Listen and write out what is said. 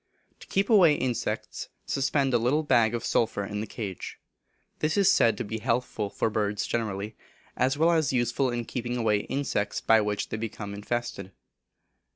To keep away insects suspend a little bag of sulphur in the cage. This is said to be healthful for birds generally, as well as useful in keeping away insects by which they become infested.